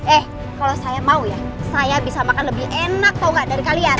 eh kalau saya mau ya saya bisa makan lebih enak atau enggak dari kalian